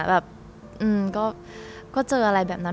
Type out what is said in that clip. แบบก็เจออะไรแบบนั้น